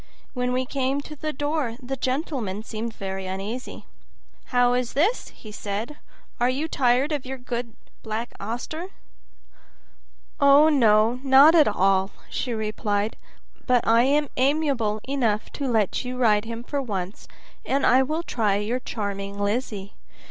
When we came to the door the gentleman seemed very uneasy. "How is this?" he said. "Are you tired of your good Black Auster?" "Oh, no, not at all," she replied, "but I am amiable enough to let you ride him for once, and I will try your charming Lizzie.